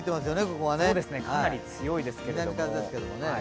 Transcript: かなり強いですけれども。